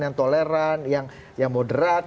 yang toleran yang moderat